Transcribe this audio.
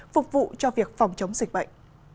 phục vụ cho việc phòng chống dịch bệnh